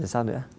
rồi sao nữa